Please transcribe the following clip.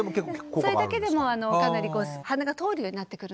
それだけでもかなり鼻が通るようになってくるので。